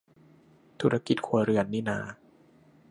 ธุรกิจครัวเรือนนี่นา